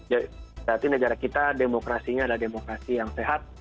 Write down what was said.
berarti negara kita demokrasinya adalah demokrasi yang sehat